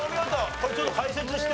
これちょっと解説して。